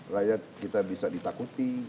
rakyat kita bisa ditakuti